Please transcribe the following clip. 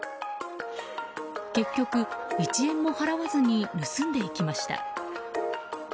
結局、１円も払わずに盗んでいきました。